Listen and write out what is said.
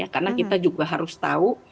karena kita juga harus tahu